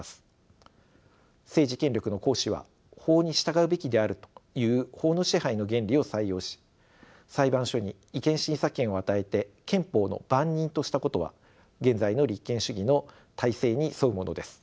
政治権力の行使は法に従うべきであるという法の支配の原理を採用し裁判所に違憲審査権を与えて「憲法の番人」としたことは現在の立憲主義の大勢に沿うものです。